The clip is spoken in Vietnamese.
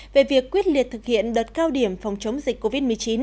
về việc quyết liệt thực hiện đợt cao điểm phòng chống dịch covid một mươi chín